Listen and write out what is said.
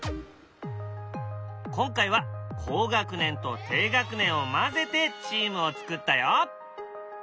今回は高学年と低学年を交ぜてチームを作ったよ。